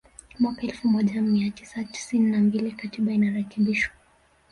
Mwaka elfu moja mia tisa tisini na mbili Katiba inarekebishwa